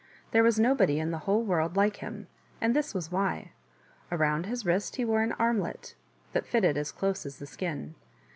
There was nobody in the whole world like him, and this was why: around his wrist he wore an armlet that fitted as close as the skin.